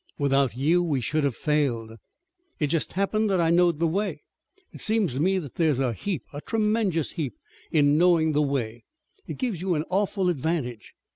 "Without you we should have failed." "It jest happened that I knowed the way. It seems to me that there's a heap, a tremenjeous heap, in knowin' the way. It gives you an awful advantage.